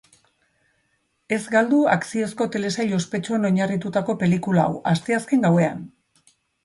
Ez galdu akziozko telesail ospetsuan oinarritutako pelikula hau, asteazken gauean.